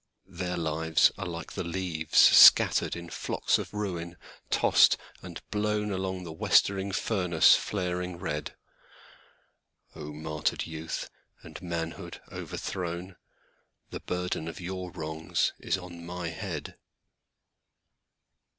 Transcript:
Their lives are like the leavesScattered in flocks of ruin, tossed and blownAlong the westering furnace flaring red.O martyred youth and manhood overthrown, The burden of your wrongs is on my head.